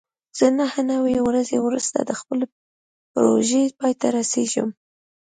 زه نهه نوي ورځې وروسته د خپلې پروژې پای ته رسېږم.